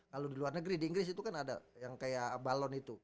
kalau di luar negeri di inggris itu kan ada yang kayak balon itu